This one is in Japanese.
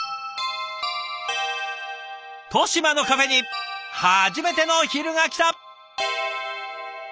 利島のカフェに初めての昼がきた！